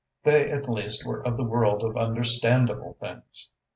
They at least were of the world of understandable things.